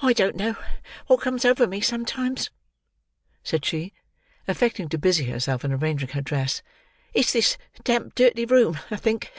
"I don't know what comes over me sometimes," said she, affecting to busy herself in arranging her dress; "it's this damp dirty room, I think.